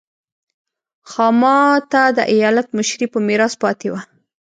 خاما ته د ایالت مشري په میراث پاتې وه.